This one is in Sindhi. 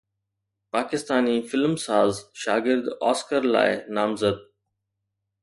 پاڪستاني فلم ساز شاگرد آسڪر لاءِ نامزد